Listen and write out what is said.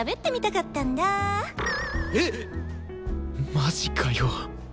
マジかよ。